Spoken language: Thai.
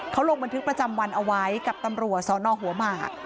เขาลงบันทึกประจำวันเอาไว้กับตำรวจสนหัวหมาก